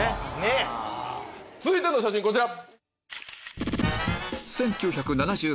続いての写真こちら。